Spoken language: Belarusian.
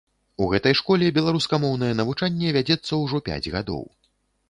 У гэтай школе беларускамоўнае навучанне вядзецца ўжо пяць гадоў.